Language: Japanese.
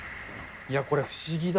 いやこれ、不思議だ。